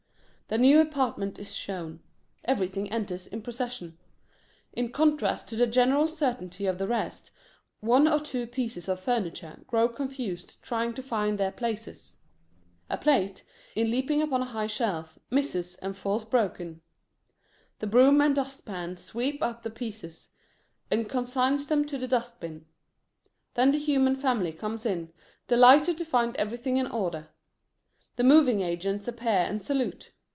The new apartment is shown. Everything enters in procession. In contrast to the general certainty of the rest, one or two pieces of furniture grow confused trying to find their places. A plate, in leaping upon a high shelf, misses and falls broken. The broom and dustpan sweep up the pieces, and consign them to the dustbin. Then the human family comes in, delighted to find everything in order. The moving agents appear and salute.